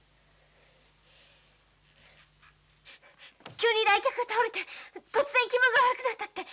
急に来客が倒れて突然気分が悪くなったって。